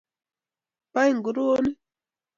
bai nguruonik